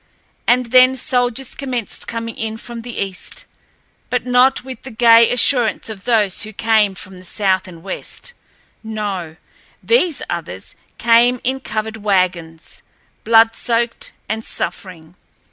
And then soldiers commenced coming in from the east, but not with the gay assurance of those who came from the south and west—no, these others came in covered wagons, blood soaked and suffering.